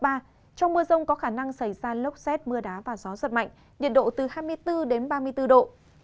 trong mưa rông có khả năng xảy ra lốc xét mưa đá và gió giật mạnh nhiệt độ từ hai mươi bốn đến ba mươi bốn độ